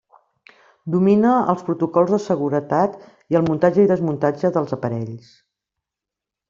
Domina els protocols de seguretat, i el muntatge i desmuntatge dels aparells.